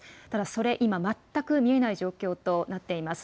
それ、今、全く見えない状況となっています。